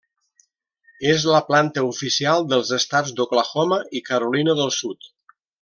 És la planta oficial dels estats d'Oklahoma i Carolina del Sud.